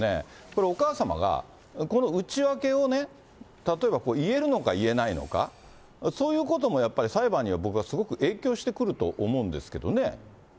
これお母様が、この内訳をね、例えば言えるのか言えないのか、そういうこともやっぱり、裁判には僕はすごく影響してくると思うんですけどね。